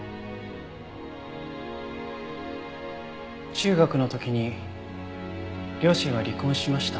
中学の時に両親は離婚しました。